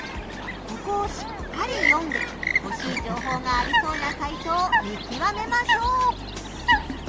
ここをしっかり読んでほしい情報がありそうなサイトを見きわめましょう！